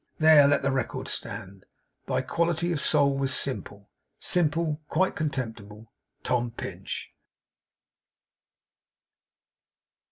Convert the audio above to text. There! Let the record stand! Thy quality of soul was simple, simple, quite contemptible, Tom Pinch!